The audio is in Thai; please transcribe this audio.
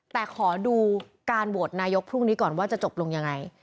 แต่ขอดูการโหวตนายกพรุ่งนี้ก่อนว่าจะจบลงยังไง